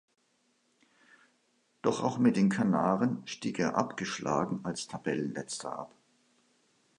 Doch auch mit den Kanaren stieg er abgeschlagen als Tabellenletzter ab.